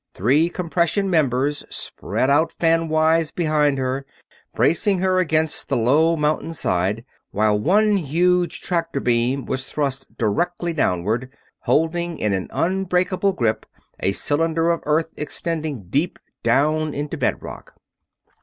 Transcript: Three compression members spread out fanwise behind her, bracing her against a low mountainside, while one huge tractor beam was thrust directly downward, holding in an unbreakable grip a cylinder of earth extending deep down into bedrock.